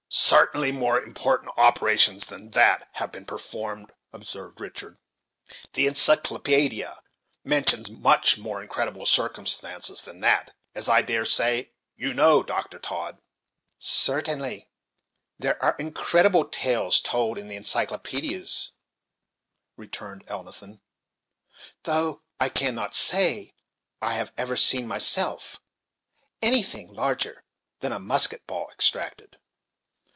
"Certainly, more important operations than that have been performed," observed Richard; "the encyclopaedia mentions much more incredible circumstances than that, as, I dare say, you know, Dr. Todd." "Certainly, there are incredible tales told in the encyclopaedias," returned Elnathan, "though I cannot say that I have ever seen, myself, anything larger than a musket ball extracted."